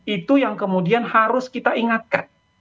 itu yang kemudian harus kita ingatkan